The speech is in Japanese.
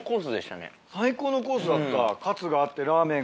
最高のコースだった。